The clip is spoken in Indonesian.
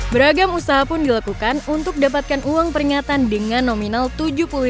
beragam usaha pun dilakukan untuk dapatkan uang peringatan dengan nominal rp tujuh puluh lima